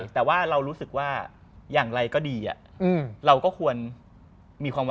แต่ว่าเรารู้สึกว่าอย่างไรก็ดี